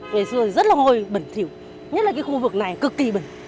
ngày xưa thì rất là hôi bẩn thiểu nhất là cái khu vực này cực kỳ bẩn